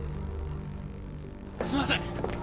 すいません！